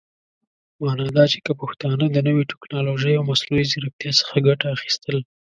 معنا دا چې که پښتانهٔ د نوې ټيکنالوژۍ او مصنوعي ځيرکتيا څخه ګټه اخيستل